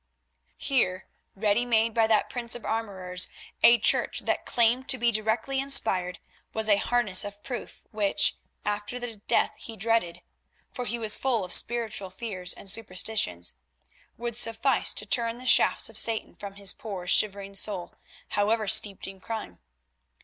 Here, ready made by that prince of armourers, a Church that claimed to be directly inspired, was a harness of proof which, after the death he dreaded (for he was full of spiritual fears and superstitions), would suffice to turn the shafts of Satan from his poor shivering soul, however steeped in crime.